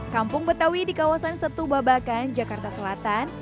kampung betawi di kawasan setubabakan jakarta selatan